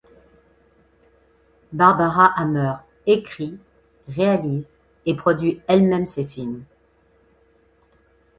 Barbara Hammer écrit, réalise et produit elle-même ses films.